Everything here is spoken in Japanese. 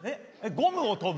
ゴムを跳ぶ。